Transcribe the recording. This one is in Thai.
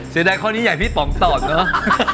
เสียดายข้อนี้อย่างพี่ป๋องตอบเนอะ